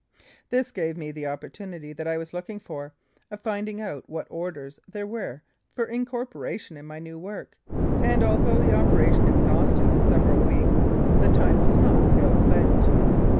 This gave me the opportunity that I was looking for, of finding out what orders there were for incorporation in my new work, and, although the operation exhausted several weeks, the time was not ill spent.